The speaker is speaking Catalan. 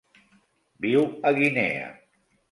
Viu a Guinea.